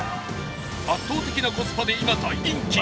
圧倒的なコスパで今大人気！